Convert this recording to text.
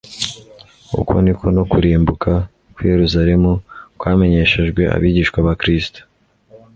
Uko niko no kurimbuka kw'i Yerusalemu kwamenyeshejwe abigishwa ba Kristo.